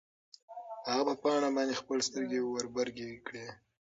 هغه په پاڼه باندې خپلې سترګې وربرګې کړې.